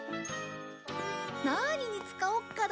何に使おうかな。